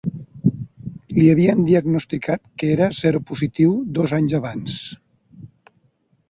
Li havien diagnosticat que era seropositiu dos anys abans.